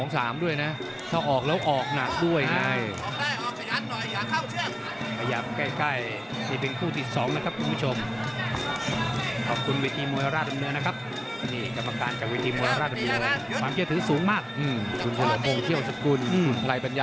ซ้ายตกมานี่คืนครั้งพอเลยนะครับ